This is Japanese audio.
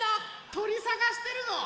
とりさがしてるの。